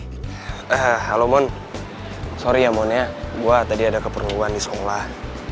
halo mon sorry ya mon ya gue tadi ada keperluan di sekolah